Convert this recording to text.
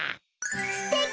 すてき！